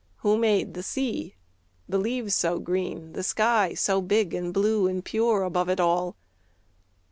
Who made the sea, the leaves so green, the sky So big and blue and pure above it all?